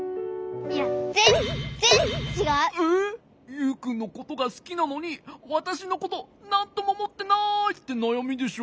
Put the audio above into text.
「ユウくんのことがすきなのにわたしのことなんともおもってない」ってなやみでしょ？